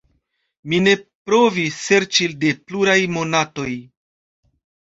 Mi ne provi serĉi de pluraj monatoj.